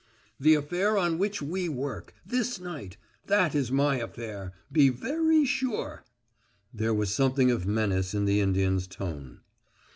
"The affair on which we work this night that is my affair, be veree sure!" There was something of menace in the Indian's tone.